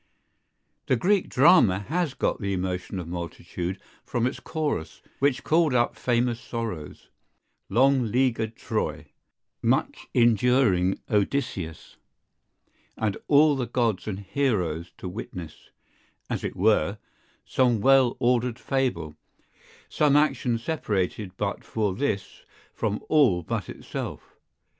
The Greek drama has got the emotion of multitude from its chorus, which called up famous sorrows, long leaguered Troy, much enduring Odysseus, and all the gods and heroes to witness, as it were, some well ordered fable, some action separated but for this from all but itself.